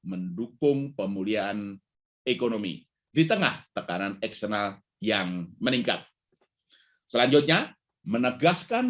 mendukung pemulihan ekonomi di tengah tekanan eksternal yang meningkat selanjutnya menegaskan